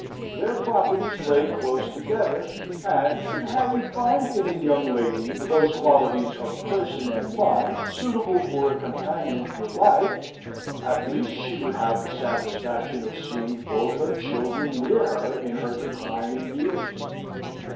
Their properties lay close together, and could Harry find in the young lady those qualities of person and mind suitable for a companion for life, at least she would have the satisfaction of seeing both her children near her in her declining years.